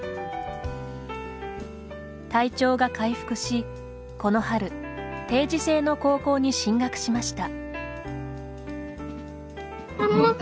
体調が回復し、この春定時制の高校に進学しました。